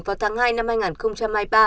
vào tháng hai năm hai nghìn hai mươi ba